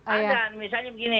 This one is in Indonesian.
ada misalnya begini